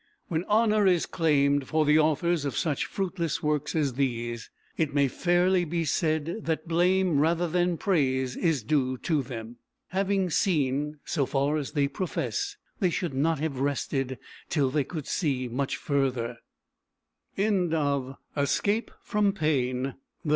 When honour is claimed for the authors of such fruitless works as these, it may fairly be said that blame rather than praise is due to them. Having seen, so far as they profess, they should not have rested till they could see much further. JENNER AND PASTEUR SIR J. RISDON BENNETT, M.